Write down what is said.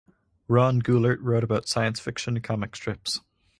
Ron Goulart wrote about science fiction comic strips.